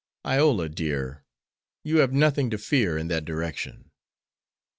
"Iola, dear, you have nothing to fear in that direction."